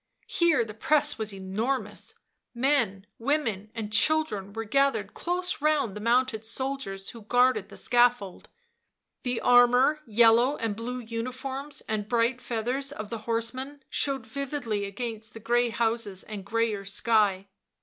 Here the press was enormous; men, women and children were gathered close round the mounted soldiers who guarded the scaffold ; the armour, yellow and blue uniforms and bright feathers of the horsemen showed vividly against the grey houses and greyer sky.